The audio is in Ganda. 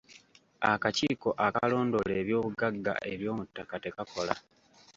Akakiiko akalondoola ebyobugagga eby'omuttaka tekakola.